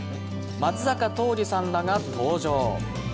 松坂桃李さんらが登場。